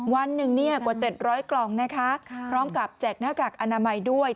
วันหนึ่งเนี่ยกว่า๗๐๐กล่องนะคะพร้อมกับแจกหน้ากากอนามัยด้วย